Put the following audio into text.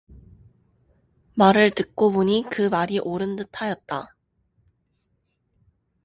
말을 듣고 보니 그 말이 옳은 듯하였다.